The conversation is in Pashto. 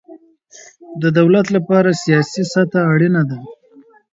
د دولت له پاره سیاسي سطحه اړینه ده.